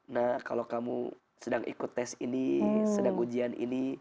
nah kalau kamu sedang ikut tes ini sedang ujian ini